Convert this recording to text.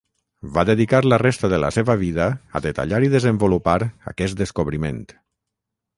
Va dedicar la resta de la seva vida a detallar i desenvolupar aquest descobriment.